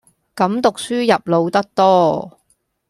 噉讀書入腦得多